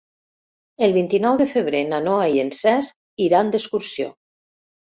El vint-i-nou de febrer na Noa i en Cesc iran d'excursió.